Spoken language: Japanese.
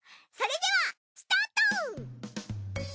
それではスタート！